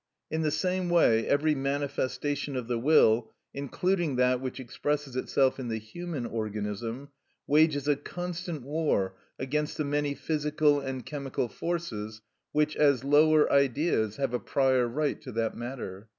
In the same way every manifestation of the will, including that which expresses itself in the human organism, wages a constant war against the many physical and chemical forces which, as lower Ideas, have a prior right to that matter.